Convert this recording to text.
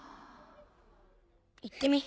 言ってみ？